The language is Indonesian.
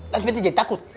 langsung aja jadi takut